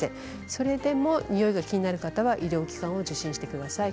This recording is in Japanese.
それでもにおいが気になる方は医療機関を受診してください。